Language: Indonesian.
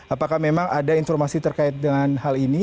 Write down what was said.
apakah memang ada informasi terkait dengan hal ini